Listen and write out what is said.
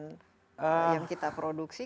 dengan yang kita produksi